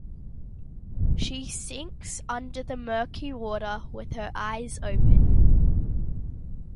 She sinks under the murky water with her eyes open.